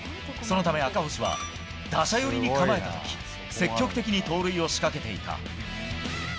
そのため赤星は打者寄りに構えた時積極的に盗塁を仕掛けていた。